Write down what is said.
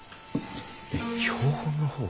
えっ標本の方？